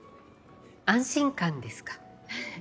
安心感ですか。